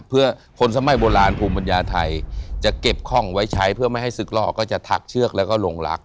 เพื่อคนสมัยโบราณภูมิปัญญาไทยจะเก็บคล่องไว้ใช้เพื่อไม่ให้ศึกล่อก็จะถักเชือกแล้วก็ลงรัก